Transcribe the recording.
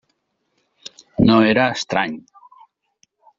No era estrany.